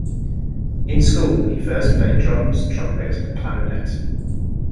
In school, he first played drums, trumpet and clarinet.